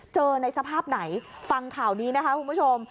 ในสภาพไหนฟังข่าวนี้นะคะคุณผู้ชม